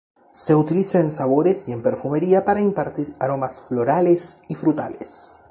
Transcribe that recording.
Se utiliza en sabores y en perfumería para impartir aromas florales y frutales.